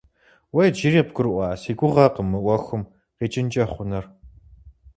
Уэ иджыри къыбгурыӀуа си гугъэкъым мы Ӏуэхум къикӀынкӀэ хъунур.